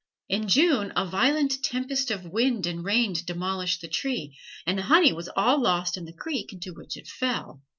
In June a violent tempest of wind and rain demolished the tree, and the honey was all lost in the creek into which it fell.